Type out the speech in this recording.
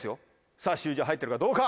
さぁ習字は入ってるかどうか？